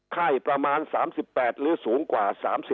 ประมาณ๓๘หรือสูงกว่า๓๐